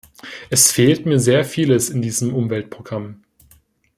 Es fehlt mir sehr vieles in diesem Umweltprogramm.